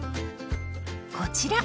こちら！